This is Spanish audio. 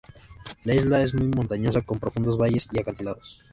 La isla es muy montañosa, con profundos valles y acantilados.